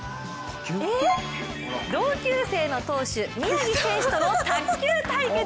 同級生の投手、宮城選手との卓球対決。